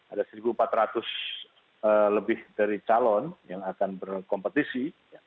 ada satu empat ratus lebih dari calon yang akan berkompetisi